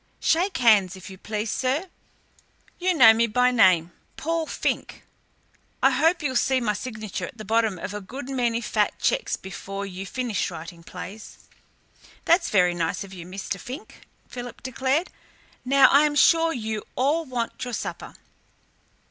Shake hands, if you please, sir. You know me by name Paul Fink. I hope you'll see my signature at the bottom of a good many fat cheques before you've finished writing plays." "That's very nice of you, Mr. Fink," Philip declared. "Now I am sure you all want your supper."